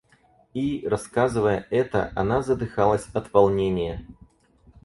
И, рассказывая это, она задыхалась от волнения.